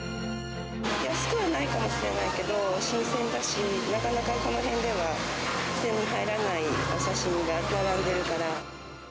安くはないかもしれないけど、新鮮だし、なかなかこのへんでは手に入らないお刺身が並んでるから。